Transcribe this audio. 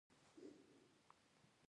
پانګوال د تولیدي وسایلو مالکان وي.